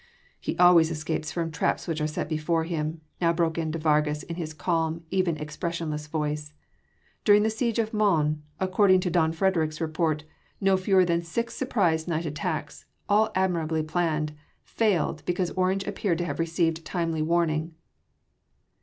"He always escapes from the traps which are set for him," now broke in de Vargas in his calm, even, expressionless voice. "During the siege of Mons, according to don Frederic’s report, no fewer than six surprise night attacks all admirably planned failed, because Orange appeared to have received timely warning."